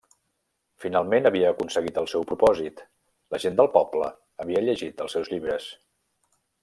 Finalment havia aconseguit el seu propòsit; la gent del poble havia llegit els seus llibres.